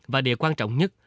và điều quan trọng nhất